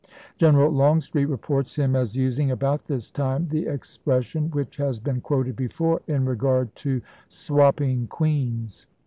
General Longstreet reports him as using, about this time, the expression which has been quoted before in regard to "swapping queens."